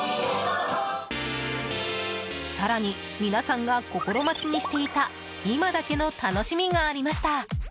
更に、皆さんが心待ちにしていた今だけの楽しみがありました！